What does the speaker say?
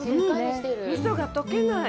味噌が溶けない。